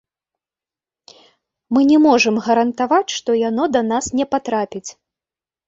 Мы не можам гарантаваць, што яно да нас не патрапіць.